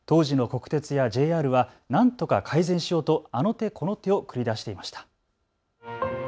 当時の国鉄やＪＲはなんとか改善しようとあの手この手を繰り出していました。